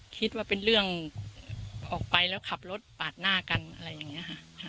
คิดว่าเป็นเรื่องออกไปแล้วขับรถปาดหน้ากันอะไรอย่างนี้ค่ะ